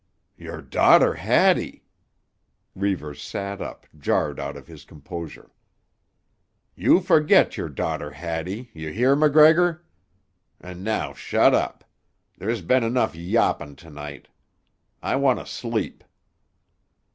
"Your daughter Hattie!" Reivers sat up, jarred out of his composure. "You forget your daughter Hattie; you hear, MacGregor? And now shut up. There's been enough yawping to night; I want to sleep."